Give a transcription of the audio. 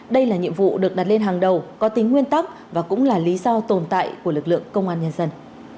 đây là nhiệm vụ được đặt lên hàng đầu có tính nguyên tắc và cũng là lý do tồn tại của lực lượng công an nhân dân